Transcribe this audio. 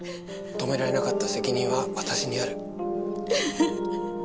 止められなかった責任は私にある。